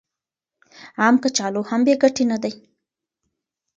عام کچالو هم بې ګټې نه دي.